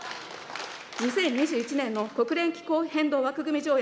２０２１年の国連気候変動枠組条約